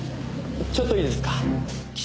ちょっといいですか？